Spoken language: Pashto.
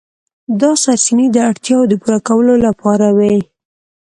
دا سرچینې د اړتیاوو د پوره کولو لپاره وې.